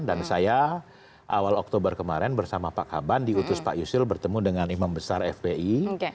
dan saya awal oktober kemarin bersama pak kaban diutus pak yusil bertemu dengan imam besar fbi